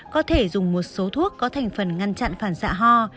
có thể dùng một số thuốc có thành phần ngăn chặn phản xạ ho